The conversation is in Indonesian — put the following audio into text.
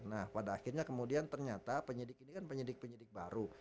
nah pada akhirnya kemudian ternyata penyidik ini kan penyidik penyidik baru